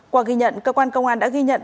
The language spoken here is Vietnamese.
qua ghi nhận cơ quan công an đã ghi nhận